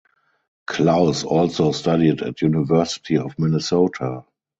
Klaus also studied at University of Minnesota.